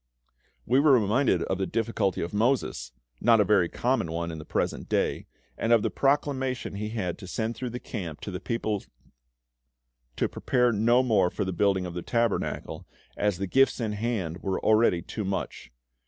We were reminded of the difficulty of Moses not a very common one in the present day and of the proclamation he had to send through the camp to the people to prepare no more for the building of the Tabernacle, as the gifts in hand were already too much.